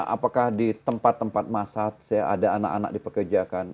apakah di tempat tempat masak ada anak anak dipekerjakan